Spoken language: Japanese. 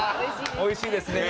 美味しいですね。